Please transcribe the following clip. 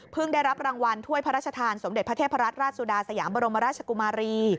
ได้รับรางวัลถ้วยพระราชทานสมเด็จพระเทพรัตนราชสุดาสยามบรมราชกุมารี